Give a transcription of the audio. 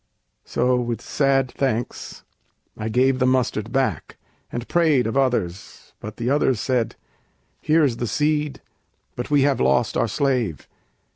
So, with sad thanks, I gave the mustard back, And prayed of others, but the others said, 'Here is the seed, but we have lost our slave!'